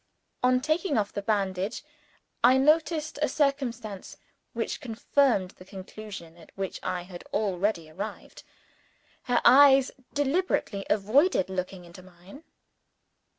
On taking off the bandage, I noticed a circumstance which confirmed the conclusion at which I had already arrived. Her eyes deliberately avoided looking into mine.